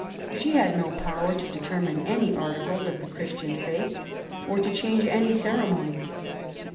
She had no power to determine any articles of the Christian faith, or to change any ceremony.